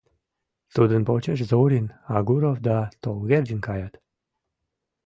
Тудын почеш Зорин, Агуров да Толгердин каят.